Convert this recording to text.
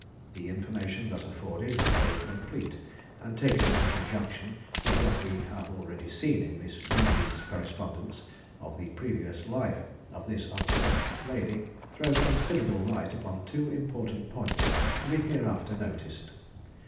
The information thus afforded is very complete, and taken in conjunction with what we have already seen in Miss B 's correspondence of the previous life of this unfortunate lady, throws considerable light upon two important points to be hereafter noticed.